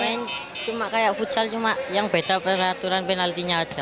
main cuma kayak futsal cuma yang beda peraturan penaltinya aja